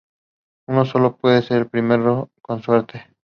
Uno sólo puede ser el primero con suerte.